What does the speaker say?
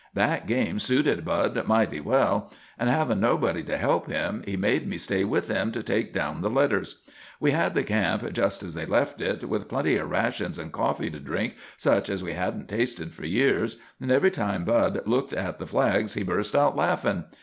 "That game suited Bud mighty well, and havin' nobody to help him, he made me stay with him to take down the letters. We had the camp just as they left it, with plenty o' rations and coffee to drink such as we hadn't tasted for years, and every time Bud looked at the flags he burst out laughin'.